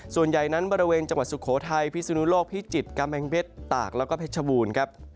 ส่วนใหญ่นั้นบริเวณจังหวัดสุโขทัยพิสุนุโลกพิจิตรกำแพงเพชรตากแล้วก็เพชรบูรณ์ครับ